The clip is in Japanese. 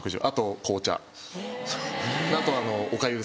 あとおかゆですか。